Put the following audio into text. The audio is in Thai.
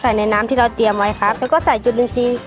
ในน้ำที่เราเตรียมไว้ครับแล้วก็ใส่จุดหนึ่งจีน